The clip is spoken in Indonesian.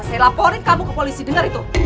saya laporin kamu ke polisi dengar itu